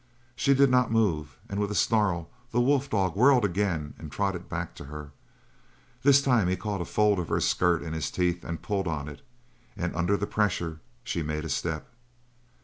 She did not move, and with a snarl the wolf dog whirled again and trotted back to her. This time he caught a fold of her skirt in his teeth and pulled on it. And under the pressure she made a step.